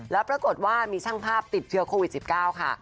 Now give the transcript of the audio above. แล้วปรากฏว่ามีช่างภาพติดเชื้อโควิด๑๙ค่ะ